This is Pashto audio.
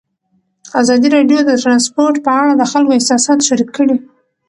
ازادي راډیو د ترانسپورټ په اړه د خلکو احساسات شریک کړي.